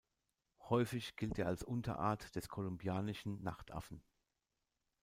Häufig gilt er als Unterart des Kolumbianischen Nachtaffen.